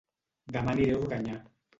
Dema aniré a Organyà